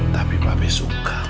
tapi tapi suka